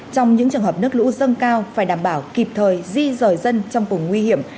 trong những trường hợp nước lũ dâng cao phải đảm bảo kịp thời di rời dân trong vùng nguy hiểm